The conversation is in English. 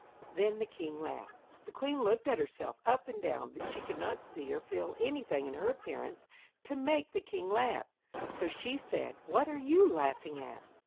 Then the king laughed. The queen looked at herself up and down, but she could not see or feel anything in her appearance to make the king laugh, so she said: 'What are you laughing at?'